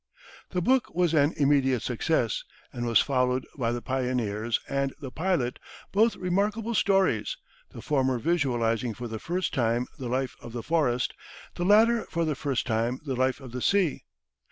The book was an immediate success, and was followed by "The Pioneers" and "The Pilot," both remarkable stories, the former visualizing for the first time the life of the forest, the latter for the first time the life of the sea.